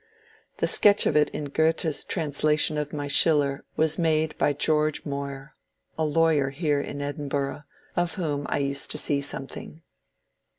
The sketch of it in Goethe's translation of my ^ Schiller " was made by George Moir, a lawyer here in Edinburgh, of whom I used to see something.